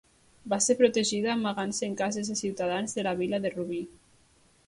Va ser protegida amagant-se en cases de ciutadans de la vila de Rubí.